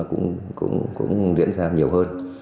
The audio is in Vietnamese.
cũng diễn ra nhiều hơn